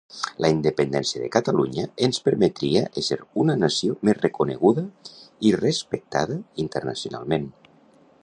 La independència de Catalunya ens permetria ésser una nació més reconeguda i respectada internacionalment